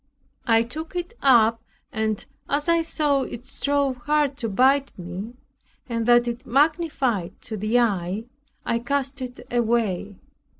I took it up, and as I saw it strove hard to bite me, and that it magnified to the eye, I cast it away.